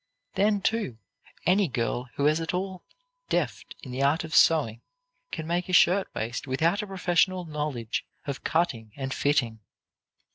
Then, too, any girl who is at all deft in the art of sewing can make a shirt waist without a professional knowledge of cutting and fitting.